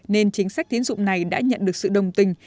nên chính sách tiến dụng này đã nhận được sự đồng tình